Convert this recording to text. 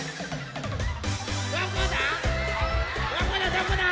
どこだ？